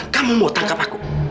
kamu mau tangkap aku